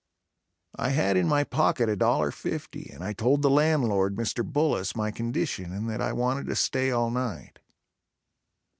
I had in my pocket $1.50, and I told the landlord, Mr. Bullis, my condition and that I wanted to stay all night.